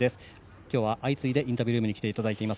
きょうは相次いでインタビュールームに来ていただいています。